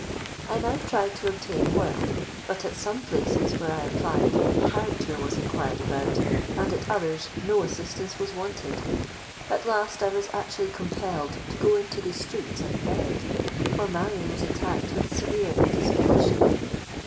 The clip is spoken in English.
I now tried to obtain work; but, at some places where I applied, character was inquired about, and at others no assistance was wanted. At last I was actually compelled to go into the streets and beg, for Marion was attacked with severe indisposition.